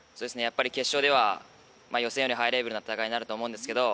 決勝では予選よりハイレベルな戦いになると思うんですけど